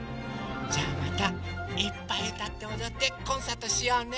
じゃあまたいっぱいうたっておどってコンサートしようね。